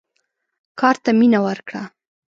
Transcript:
کار ته مینه ورکړه.